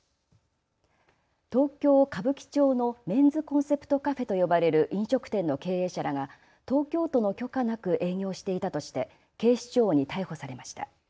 東京歌舞伎町のメンズコンセプトカフェと呼ばれる飲食店の経営者らが東京都の許可なく営業していたとして警視庁に逮捕されました。